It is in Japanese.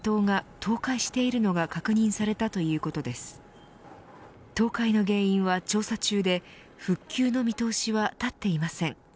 倒壊の原因は調査中で復旧の見通しは立っていません。